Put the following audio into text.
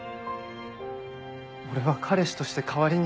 俺は彼氏として代わりに。